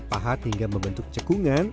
pahat hingga membentuk cekungan